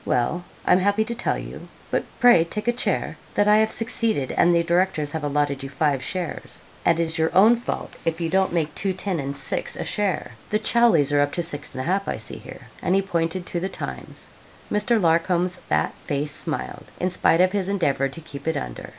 Well, I'm happy to tell you but pray take a chair that I have succeeded, and the directors have allotted you five shares; and it's your own fault if you don't make two ten and six a share. The Chowsleys are up to six and a half, I see here,' and he pointed to the 'Times.' Mr. Larcom's fat face smiled, in spite of his endeavour to keep it under.